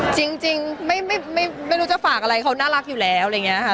จริงไม่รู้จะฝากอะไรเขาน่ารักอยู่แล้วอะไรอย่างนี้ค่ะ